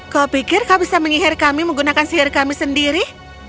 kau pikir kau bisa menyihir kami menggunakan sihir kami sendiri